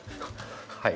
はい。